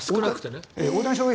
大谷翔平